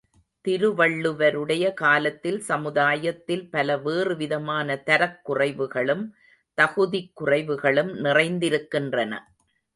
திருவள்ளுவருடைய காலத்தில் சமுதாயத்தில் பல வேறுவிதமான தரக் குறைவுகளும் தகுதிக் குறைவுகளும் நிறைந்திருக்கின்றன.